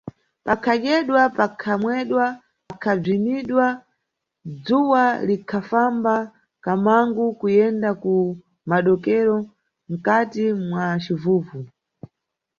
Pakhadyedwa, pakhamwedwa pakhabzinidwa, dzuwa likhafamba kamangu, kuyenda ku madokero, mkati mwa civuvu.